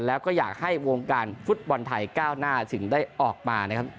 แล้วก็อยากให้วงการฟุตบอลไทยก้าวหน้าถึงได้ออกมานะครับ